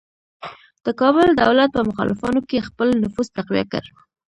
د کابل دولت په مخالفانو کې خپل نفوذ تقویه کړ.